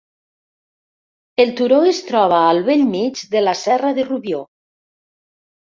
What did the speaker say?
El turó es troba al bell mig de la Serra de Rubió.